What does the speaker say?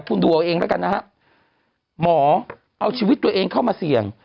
คุณดูเอาเองแล้วกันนะฮะหมอเอาชีวิตตัวเองเข้ามาเสี่ยง